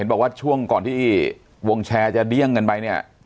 บอกว่าช่วงก่อนที่วงแชร์จะเดี้ยงกันไปเนี่ย